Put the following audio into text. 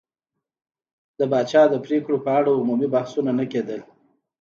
د پاچا د پرېکړو په اړه عمومي بحثونه نه کېدل.